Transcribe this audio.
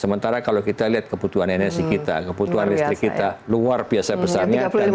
sementara kalau kita lihat kebutuhan energi kita kebutuhan listrik kita luar biasa besarnya